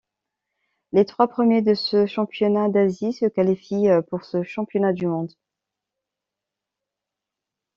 Les trois premiers de ce championnat d'Asie se qualifient pour ce championnat du monde.